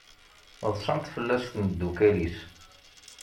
Ḍsant fell-as temdukal-is.